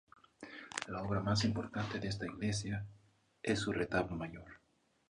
La obra más importante de esta iglesia es su retablo mayor.